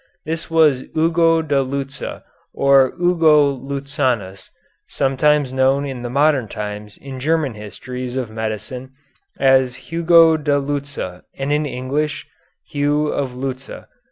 This was Ugo da Lucca or Ugo Luccanus, sometimes known in the modern times in German histories of medicine as Hugo da Lucca and in English, Hugh of Lucca.